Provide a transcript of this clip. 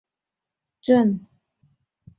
姑田镇是福建省龙岩市连城县下辖的一个镇。